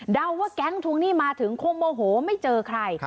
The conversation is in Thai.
ว่าแก๊งทวงหนี้มาถึงคงโมโหไม่เจอใคร